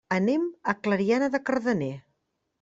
Anem a Clariana de Cardener.